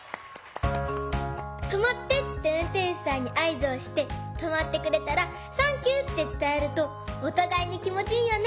「とまって！」ってうんてんしゅさんにあいずをしてとまってくれたら「サンキュー！」ってつたえるとおたがいにきもちいいよね！